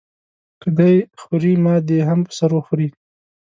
که دی خوري ما دې هم په سر وخوري.